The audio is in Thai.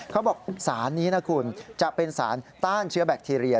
เขาบอกสารนี้นะคุณจะเป็นสารต้านเชื้อแบคทีเรีย